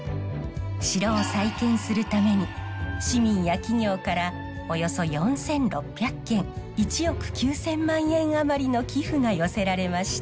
城を再建するために市民や企業からおよそ４，６００件１億９，０００万円あまりの寄付が寄せられました。